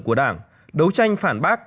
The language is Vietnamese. của đảng đấu tranh phản bác